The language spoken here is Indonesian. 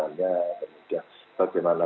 kita sampaikan jadiurannya